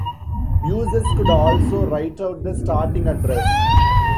Users could also write out the starting address.